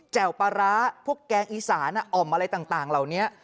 ปลาร้าพวกแกงอีสานอ่อมอะไรต่างเหล่านี้